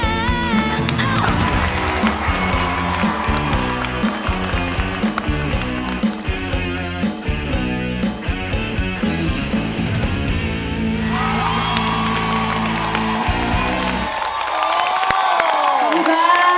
ขอบคุณครับ